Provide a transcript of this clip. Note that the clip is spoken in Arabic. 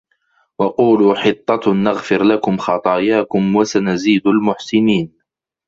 وَقُولُوا حِطَّةٌ نَغْفِرْ لَكُمْ خَطَايَاكُمْ ۚ وَسَنَزِيدُ الْمُحْسِنِينَ